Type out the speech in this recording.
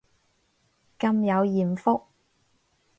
咁有艷福